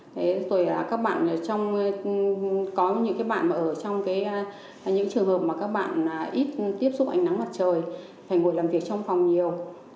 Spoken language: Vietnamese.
thì các bạn có những bạn ở trong những trường hợp mà các bạn ít tiếp xúc ánh nắng mặt trời phải ngồi làm việc trong phòng nhiều